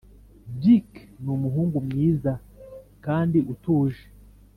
Dirck ni umuhungu mwiza kandi utuje